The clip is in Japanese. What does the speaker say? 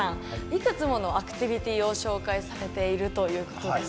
いくつものアクティビティーを紹介されているということです。